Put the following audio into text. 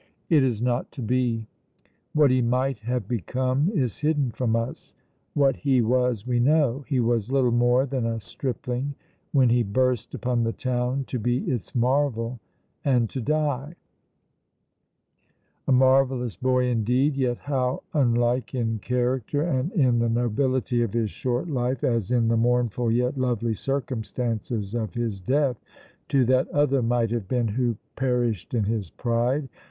It is not to be. What he might have become is hidden from us; what he was we know. He was little more than a stripling when he 'burst upon the town' to be its marvel and to die; a 'marvellous boy' indeed; yet how unlike in character and in the nobility of his short life, as in the mournful yet lovely circumstances of his death, to that other Might Have Been who 'perished in his pride.'